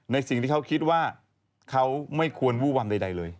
สิ่งที่เขาคิดว่าเขาไม่ควรวู้ว่ำใดเลย